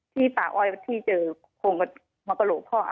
ที่ป่าอ้อยที่เจอโครงกระโหลพ่อค่ะ